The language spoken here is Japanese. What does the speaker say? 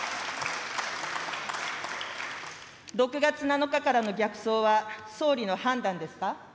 ６月７日からの逆走は、総理の判断ですか。